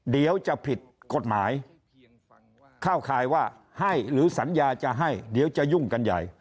เดี๋ยวจะผิดกฎหมายเข้าข่ายว่าให้หรือสัญญาจะให้เดี๋ยวจะยุ่งกันใหญ่